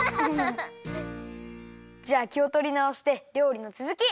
じゃあきをとりなおしてりょうりのつづき！